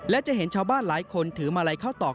และจะเห็นชาวบ้านหลายคนถือมาลัยเข้าตอก